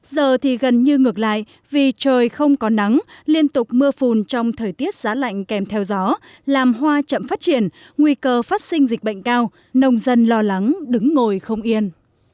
giờ thì gần như ngược lại vì trời không có nắng liên tục mưa phùn trong thời tiết giá lạnh kèm theo gió làm hoa chậm phát triển nguy cơ phát sinh dịch bệnh cao nông dân lo lắng đứng ngồi không yên